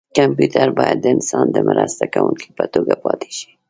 کمپیوټر باید د انسان د مرسته کوونکي په توګه پاتې شي.